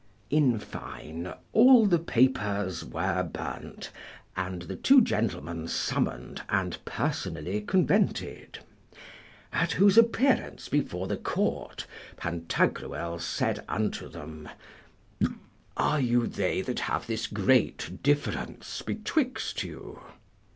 In fine, all the papers were burnt, and the two gentlemen summoned and personally convented. At whose appearance before the court Pantagruel said unto them, Are you they that have this great difference betwixt you?